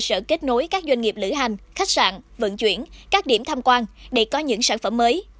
cơ sở kết nối các doanh nghiệp lữ hành khách sạn vận chuyển các điểm tham quan để có những sản phẩm mới